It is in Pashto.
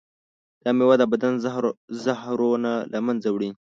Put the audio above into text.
دا میوه د بدن زهرونه له منځه وړي.